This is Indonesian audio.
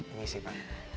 ini sih pak